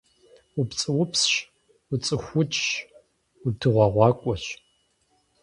УпцӀыупсщ, уцӀыхуукӀщ, удыгъуэгъуакӀуэщ!